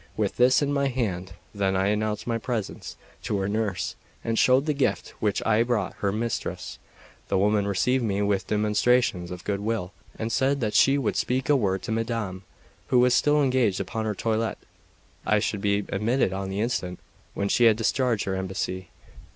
With this in my hand, then, I announced my presence to her nurse, and showed the gift which I had brought her mistress; the woman received me with demonstrations of good will, and said that she would speak a word to Madame, who was still engaged upon her toilette; I should be admitted on the instant, when she had discharged her embassy.